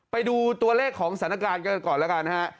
ไปดูตัวเลขของสถานการณ์กันก่อนแล้วกันนะฮะ